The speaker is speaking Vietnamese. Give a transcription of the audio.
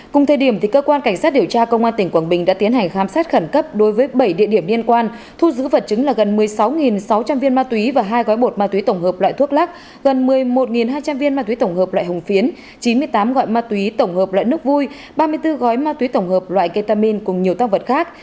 cùng thời điểm cơ quan cảnh sát điều tra công an tỉnh quảng bình đã tiến hành khám xét khẩn cấp đối với bảy địa điểm liên quan thu giữ vật chứng là gần một mươi sáu sáu trăm linh viên ma túy và hai gói bột ma túy tổng hợp loại thuốc lắc gần một mươi một hai trăm linh viên ma túy tổng hợp loại hồng phiến chín mươi tám gói ma túy tổng hợp loại nước vui ba mươi bốn gói ma túy tổng hợp loại ketamin cùng nhiều tác vật khác